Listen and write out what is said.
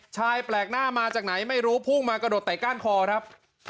ชายแปลกหน้ามาจากไหนไม่รู้พุ่งมากระโดดเตะก้านคอครับ